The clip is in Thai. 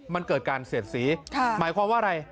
มันเกิดการเสียดสีหมายความว่าอะไร